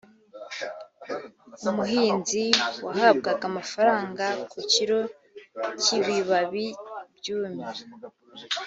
umuhinzi wahabwaga amafaranga ku kilo cy’ibibabi byumye